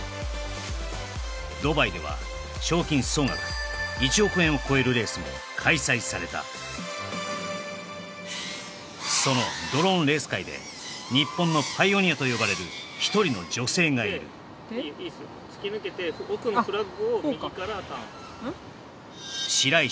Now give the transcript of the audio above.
ドバイではを超えるレースも開催されたそのドローンレース界で日本のパイオニアと呼ばれる一人の女性がいる・いいっすよ